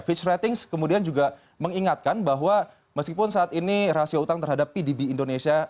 fitch ratings kemudian juga mengingatkan bahwa meskipun saat ini rasio utang terhadap pdb indonesia